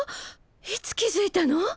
いつ気づいたの？